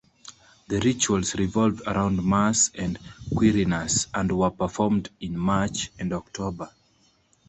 The rituals revolved around Mars and Quirinus, and were performed in March and October.